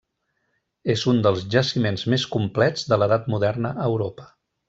És un dels jaciments més complets de l'edat moderna a Europa.